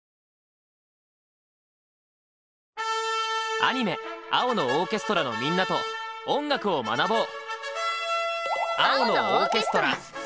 アニメ「青のオーケストラ」のみんなと音楽を学ぼう！